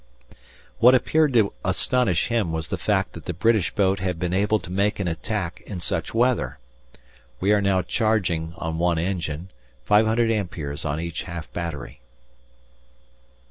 What appeared to astonish him was the fact that the British boat had been able to make an attack in such weather. We are now charging on one engine, 500 amperes on each half battery.